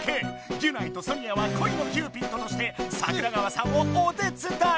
ギュナイとソニアはこいのキューピッドとして桜川さんをお手つだい！